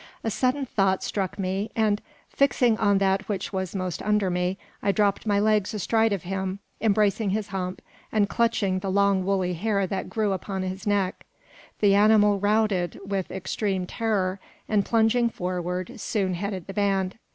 A sudden thought struck me, and, fixing on that which was most under me, I dropped my legs astride of him, embracing his hump, and clutching the long woolly hair that grew upon his neck. The animal "routed" with extreme terror, and, plunging forward, soon headed the band.